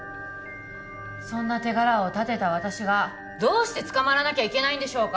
そんな手柄を立てた私がどうして捕まらなきゃいけないんでしょうか？